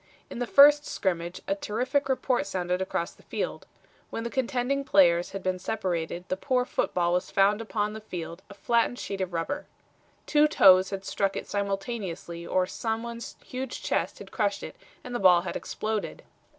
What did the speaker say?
In the first scrimmage a terrific report sounded across the field. When the contending players had been separated the poor football was found upon the field a flattened sheet of rubber. Two toes had struck it simultaneously or some one's huge chest had crushed it and the ball had exploded.